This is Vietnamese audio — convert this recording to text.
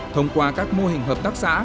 thông qua các mô hình hợp tác xã